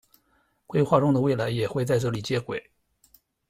规划中的未来也会在这里接轨。